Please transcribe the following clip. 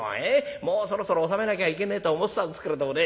もうそろそろ納めなきゃいけねえと思ってたんですけれどもね